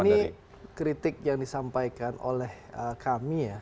ini kritik yang disampaikan oleh kami ya